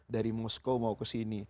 dari moskow mau kesini